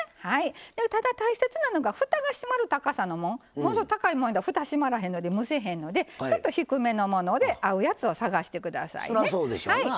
ただ、大切なのがふたの閉まる高さのもの高いものだとふた閉まらへんので蒸せないのでちょっと低めのもので合うやつを探してくださいね。